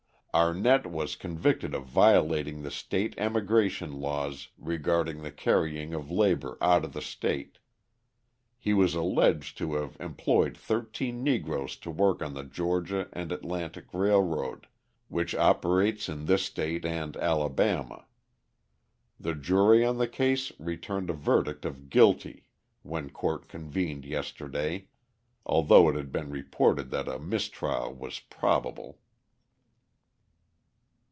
Arnett was convicted of violating the state emigration laws regarding the carrying of labour out of the state. He was alleged to have employed thirteen Negroes to work on the Georgia and Atlantic Railroad, which operates in this state and Alabama. The jury on the case returned a verdict of guilty when court convened yesterday, although it had been reported that a mistrial was probable.